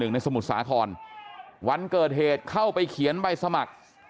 ในสมุทรสาครวันเกิดเหตุเข้าไปเขียนใบสมัคร